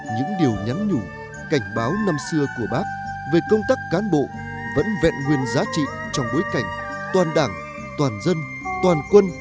những điều nhắn nhủ cảnh báo năm xưa của bác về công tác cán bộ vẫn vẹn nguyên giá trị trong bối cảnh toàn đảng toàn dân toàn quân